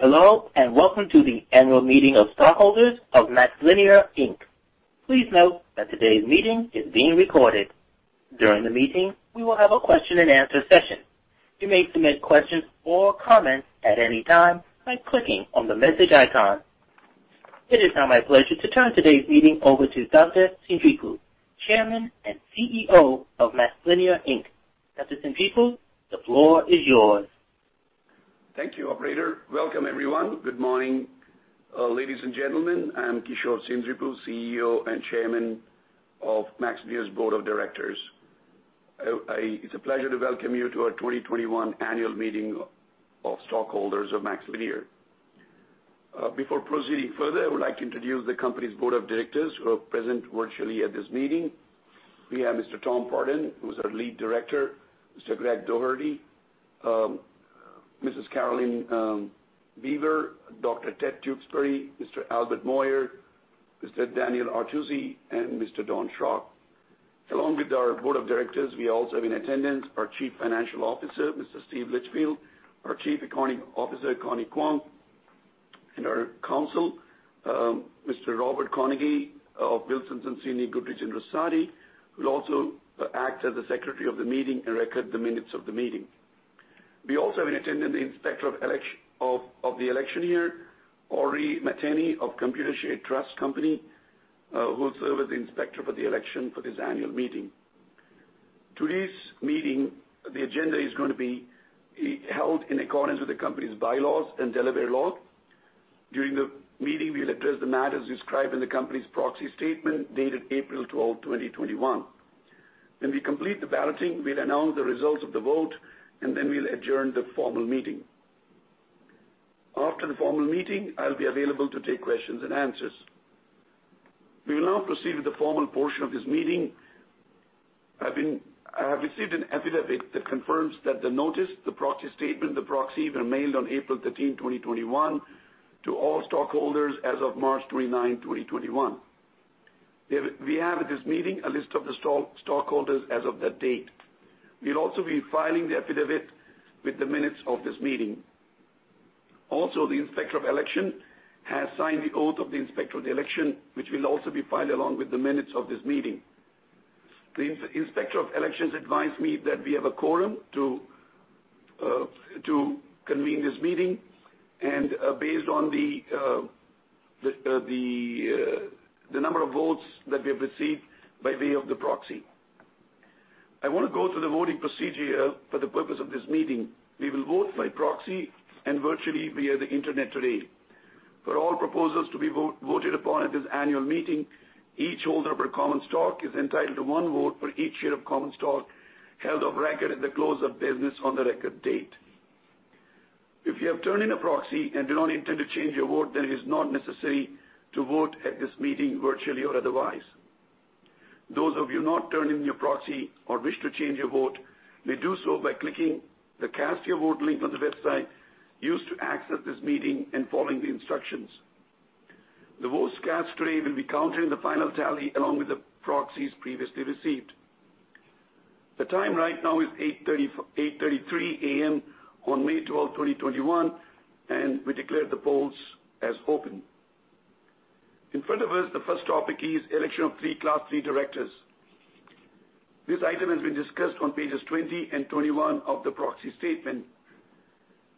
Hello, and welcome to the annual meeting of stockholders of MaxLinear, Inc. Please note that today's meeting is being recorded. During the meeting, we will have a question-and-answer session. You may submit questions or comments at any time by clicking on the message icon. It is now my pleasure to turn today's meeting over to Kishore Seendripu, Chairman and CEO of MaxLinear, Inc. Kishore Seendripu, the floor is yours. Thank you, operator. Welcome, everyone. Good morning, ladies and gentlemen. I'm Kishore Seendripu, CEO and Chairman of MaxLinear's Board of Directors. It's a pleasure to welcome you to our 2021 annual meeting of stockholders of MaxLinear. Before proceeding further, I would like to introduce the company's Board of Directors who are present virtually at this meeting. We have Mr. Thomas E. Pardun, who is our Lead Director, Mr. Gregory P. Dougherty, Mrs. Carolyn D. Beaver, Dr. Theodore L. Tewksbury, Mr. Albert J. Moyer, Mr. Daniel A. Artusi, and Mr. Donald E. Schrock. Along with our Board of Directors, we also have in attendance our Chief Financial Officer, Mr. Steven Litchfield, our Chief Accounting Officer, Connie Kwong, and our Counsel, Mr. Robert Carnegie of Wilson Sonsini Goodrich & Rosati, who will also act as the Secretary of the Meeting and record the minutes of the meeting. We also have in attendance the Inspector of Election here, Audrey Matheny of Computershare Trust Company, who will serve as the Inspector for the Election for this annual meeting. Today's meeting, the agenda is going to be held in accordance with the Company's bylaws and Delaware laws. During the meeting, we'll address the matters described in the Company's proxy statement dated April 12, 2021. When we complete the balloting, we'll announce the results of the vote, and then we'll adjourn the formal meeting. After the formal meeting, I'll be available to take questions and answers. We will now proceed with the formal portion of this meeting. I have received an affidavit that confirms that the notice, the proxy statement, the proxy were mailed on April 13, 2021, to all stockholders as of March 29, 2021. We have at this meeting a list of the stockholders as of that date. We'll also be filing the affidavit with the minutes of this meeting. Also, the Inspector of Election has signed the oath of the Inspector of Election, which will also be filed along with the minutes of this meeting. The Inspector of Election advised me that we have a quorum to convene this meeting and based on the number of votes that we have received by way of the proxy. I want to go through the voting procedure for the purpose of this meeting. We will vote by proxy and virtually via the Internet today. For all proposals to be voted upon at this annual meeting, each holder of our common stock is entitled to one vote for each share of common stock held of record at the close of business on the record date. If you have turned in a proxy and do not intend to change your vote, then it is not necessary to vote at this meeting, virtually or otherwise. Those of you not turning in your proxy or wish to change your vote, may do so by clicking the Cast Your Vote link on the website used to access this meeting and following the instructions. The votes cast today will be counted in the final tally along with the proxies previously received. The time right now is 8:33 A.M. on May 12, 2021, and we declare the polls as open. In front of us, the first topic is election of three Class III directors. This item has been discussed on pages 20 and 21 of the proxy statement.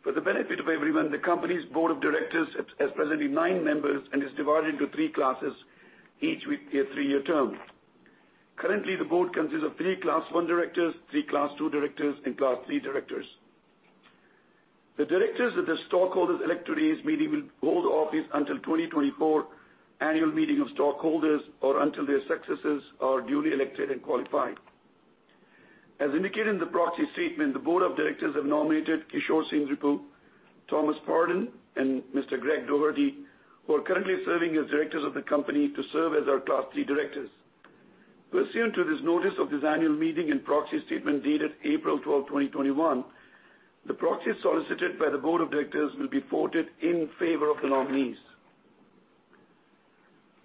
For the benefit of everyone, the company's board of directors has presently nine members and is divided into three classes, each with a three-year term. Currently, the board consists of three Class I directors, three Class II directors, and Class III directors. The directors that the stockholders elect at today's meeting will hold office until 2024 annual meeting of stockholders, or until their successors are duly elected and qualified. As indicated in the proxy statement, the board of directors have nominated Kishore Seendripu, Thomas E. Pardun, and Mr. Gregory P. Dougherty, who are currently serving as directors of the company to serve as our Class III directors. Pursuant to this notice of this annual meeting and proxy statement dated April 12, 2021, the proxies solicited by the board of directors will be voted in favor of the nominees.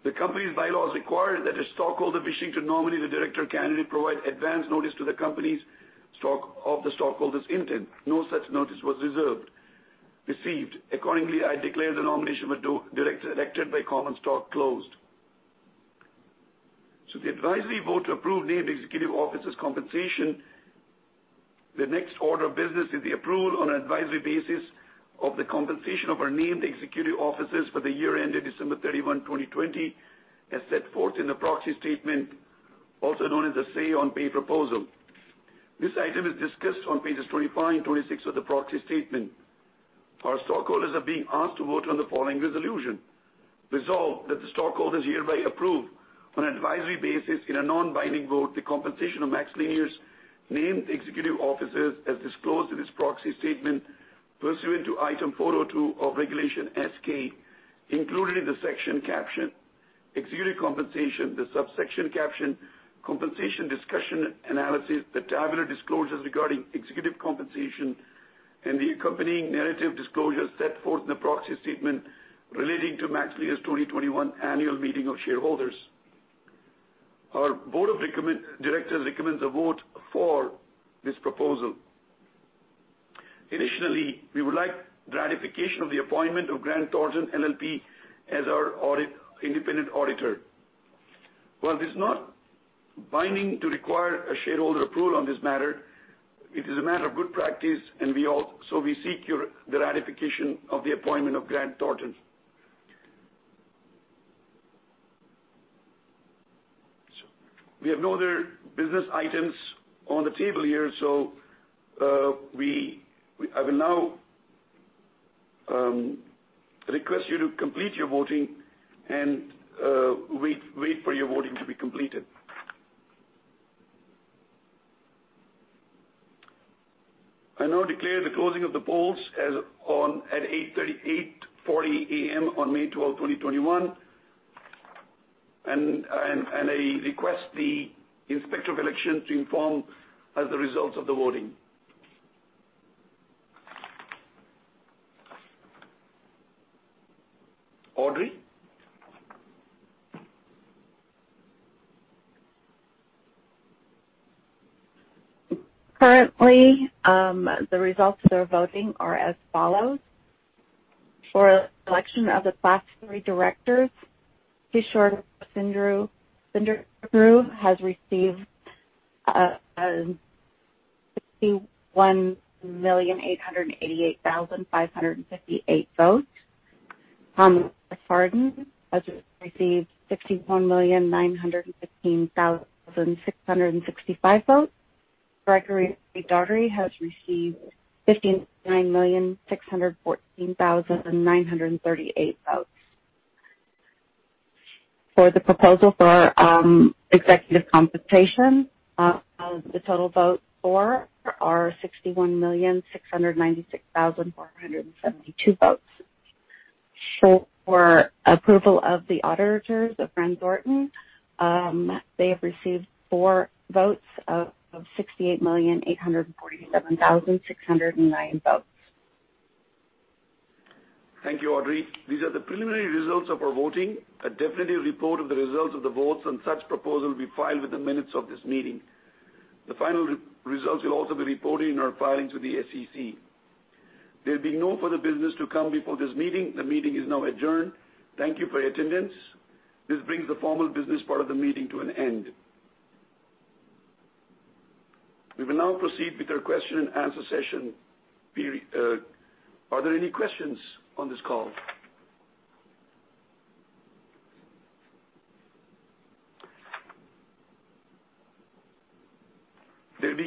The company's bylaws require that a stockholder wishing to nominate a director candidate provide advance notice to MaxLinear of the stockholder's intent. No such notice was received. Accordingly, I declare the nomination of director elected by common stock closed. The advisory vote to approve named executive officers' compensation. The next order of business is the approval on an advisory basis of the compensation of our named executive officers for the year ended December 31, 2020, as set forth in the proxy statement, also known as the Say on Pay Proposal. This item is discussed on pages 25 and 26 of the proxy statement. Our stockholders are being asked to vote on the following resolution. Resolved, that the stockholders hereby approve on an advisory basis, in a non-binding vote, the compensation of MaxLinear's named executive officers as disclosed in this proxy statement pursuant to Item 402 of Regulation S-K, including the section caption, Executive Compensation, the subsection caption, Compensation Discussion Analysis, the tabular disclosures regarding executive compensation, and the accompanying narrative disclosures set forth in the proxy statement relating to MaxLinear's 2021 Annual Meeting of Shareholders. Our board of directors recommends a vote for this proposal. Additionally, we would like ratification of the appointment of Grant Thornton LLP as our independent auditor. While it is not binding to require a shareholder approval on this matter, it is a matter of good practice, we seek the ratification of the appointment of Grant Thornton. We have no other business items on the table here, so I will now request you to complete your voting and wait for your voting to be completed. I now declare the closing of the polls at 8:40 A.M. on May 12, 2021, and I request the inspector of election to inform us the results of the voting. Audrey? Currently, the results of the voting are as follows. For election of the Class III directors, Kishore Seendripu has received 61,888,558 votes. Thomas E. Pardun has received 61,915,665 votes. Gregory P. Dougherty has received 59,614,938 votes. For the proposal for our executive compensation, of the total votes, four are 61,696,472 votes. For approval of the auditors of Grant Thornton, they have received four votes of 68,847,609 votes. Thank you, Audrey. These are the preliminary results of our voting. A definitive report of the results of the votes on such proposal will be filed with the minutes of this meeting. The final results will also be reported in our filings with the SEC. There'll be no further business to come before this meeting. The meeting is now adjourned. Thank you for your attendance. This brings the formal business part of the meeting to an end. We will now proceed with our question-and-answer session. Are there any questions on this call?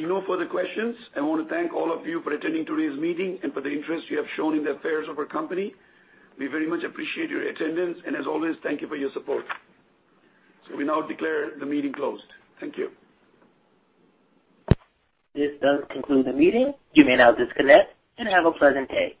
There'll be no further questions. I want to thank all of you for attending today's meeting and for the interest you have shown in the affairs of our company. We very much appreciate your attendance, and as always, thank you for your support. We now declare the meeting closed. Thank you. This does conclude the meeting. You may now disconnect and have a pleasant day.